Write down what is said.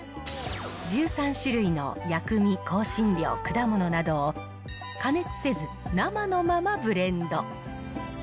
１３種類の薬味、香辛料、果物などを加熱せず、生のままブレンド。